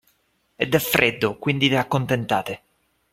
Ed è freddo, quindi ve accontentate’.